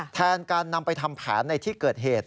แทนการนำไปทำแผนในที่เกิดเหตุ